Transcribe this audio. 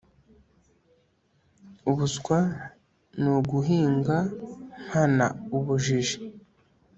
ubuswa ni uguhinga nkana ubujiji